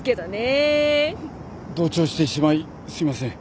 同調してしまいすいません。